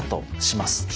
します。